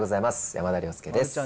山田涼介です。